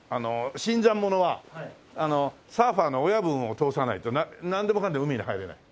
新参者はサーファーの親分を通さないとなんでもかんでも海に入れない。